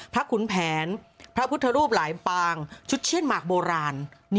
ขุนแผนพระพุทธรูปหลายปางชุดเชียนหมากโบราณ